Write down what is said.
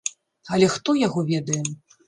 Але хто яго ведае.